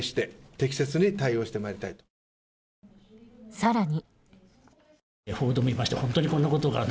更に。